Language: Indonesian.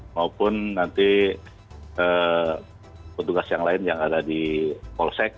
maupun nanti petugas yang lain yang ada di polsek